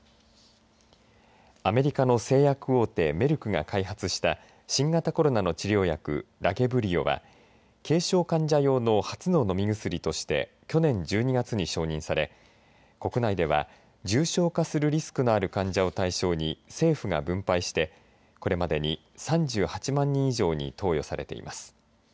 アメリカの製薬大手メルクが開発した新型コロナの治療薬ラゲブリオは軽症患者用の初の飲み薬として去年１２月に承認され国内では重症化するリスクのある患者を対象に政府が分配してこれまでに３８万人以上に投与されています。